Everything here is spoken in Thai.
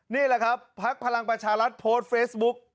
นี่แหละครับพักพลังประชารัฐโพสต์เฟซบุ๊ก